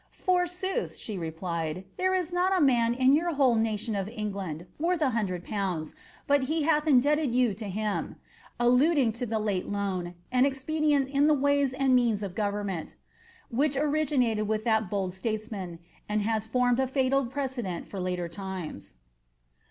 * Forsooth,' she replied, ^ there is not a nun in your whole nation of England, worth a hundred pounds, but he hath indebted you to him ;' alluding to the late loan, an expedient in the ways and means of goyemment, which originated with that bold statesman, and has formed a fatal precedent for later times.